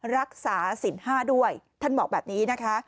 รักษาสินห้าด้วยท่านบอกแบบนี้นะคะ